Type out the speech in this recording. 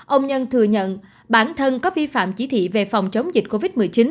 ông nhân thừa nhận bản thân có vi phạm chỉ thị về phòng chống dịch covid một mươi chín